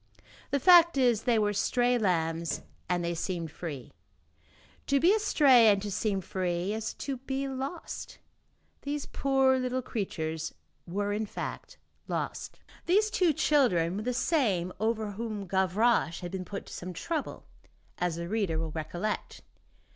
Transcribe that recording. The fact is, they were stray lambs and they seemed free. To be astray and to seem free is to be lost. These poor little creatures were, in fact, lost. These two children were the same over whom Gavroche had been put to some trouble, as the reader will recollect.